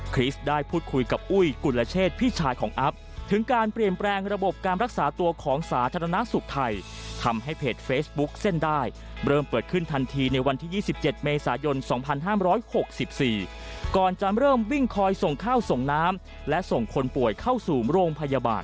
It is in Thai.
ได้พูดคุยกับอุ้ยกุลเชษพี่ชายของอัพถึงการเปลี่ยนแปลงระบบการรักษาตัวของสาธารณสุขไทยทำให้เพจเฟซบุ๊คเส้นได้เริ่มเปิดขึ้นทันทีในวันที่๒๗เมษายน๒๕๖๔ก่อนจะเริ่มวิ่งคอยส่งข้าวส่งน้ำและส่งคนป่วยเข้าสู่โรงพยาบาล